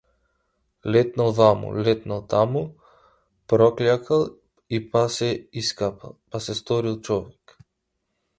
Летнал вамо, летнал тамо, прокљакал и пак се искапал, па се сторил човек.